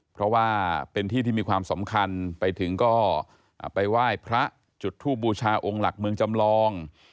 เพราะว่าเป็นที่ที่มีความสำคัญไปถึงก็ไปไหว้พระจุดทูบบูชาองค์หลักเมืองจำลอง